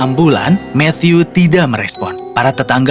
kalau legislasi bahaya keyinginan perlu selesaikan ke awal itu